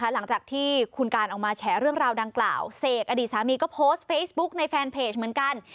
หลังจากที่คุณการออกมาแฉเรื่องราวดังกล่าวเสกอดีตสามีก็โพสต์เฟซบุ๊กในแฟนเพจเหมือนกัน